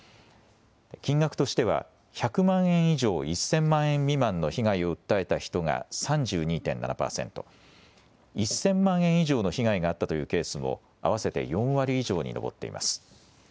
金額としては１００万円以上１０００万円未満の被害を訴えた人が３２．７％、１０００万円以上の被害があったというケースも合わせて４割以上に上っています。